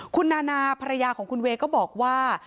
คุณนานาภรรยาของคุณเวย์ก็บอกว่า